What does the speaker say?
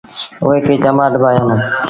اُئي کي چمآٽ با هيآندونٚ۔